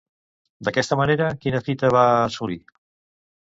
D'aquesta manera, quina fita va assolir?